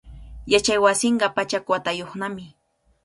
Yachaywasinqa pachak watayuqnami.